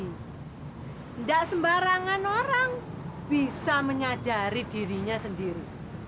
tidak sembarangan orang bisa menyadari dirinya sendiri